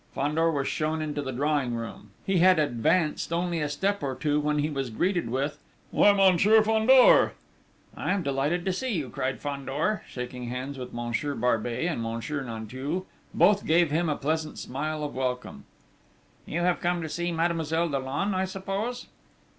Fandor was shown into the drawing room. He had advanced only a step or two when he was greeted with: "Why! Monsieur Fandor!" "I am delighted to see you!" cried Fandor, shaking hands with Monsieur Barbey and Monsieur Nanteuil. Both gave him a pleasant smile of welcome. "You have come to see Mademoiselle Dollon, I suppose?"